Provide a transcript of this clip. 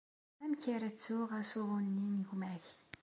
Amek ara ttuɣ asuɣu-nni n gma-k?